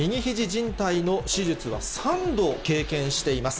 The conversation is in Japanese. じん帯の手術は３度経験しています。